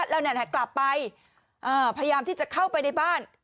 แล้วกลับไปพยายามที่จะเข้าไปในบ้าน